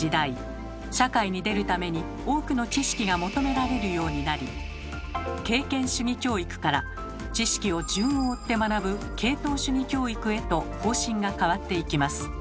社会に出るために多くの知識が求められるようになり経験主義教育から知識を順を追って学ぶ「系統主義教育」へと方針が変わっていきます。